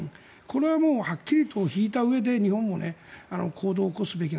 これははっきりと引いたうえで日本も行動を起こすべき。